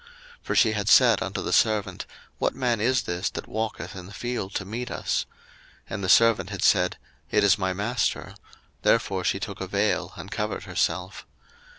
01:024:065 For she had said unto the servant, What man is this that walketh in the field to meet us? And the servant had said, It is my master: therefore she took a vail, and covered herself.